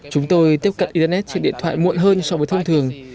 chúng tôi tiếp cận internet trên điện thoại muộn hơn so với thông thường